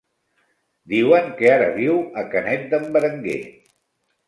Diuen que ara viu a Canet d'en Berenguer.